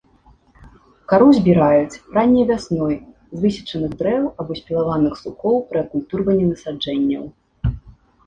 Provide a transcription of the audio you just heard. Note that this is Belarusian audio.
Кару збіраюць ранняй вясной з высечаных дрэў або спілаваных сукоў пры акультурванні насаджэнняў.